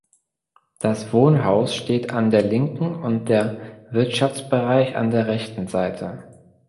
Das Wohnhaus steht an der linken und der Wirtschaftsbereich an der rechten Seite.